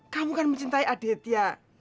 kamu kan mencintai aditya